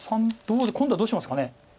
今度はどうしますか。